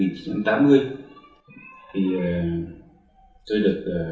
thì tôi được